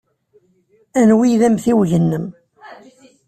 Anwa ay d amtiweg-nnem?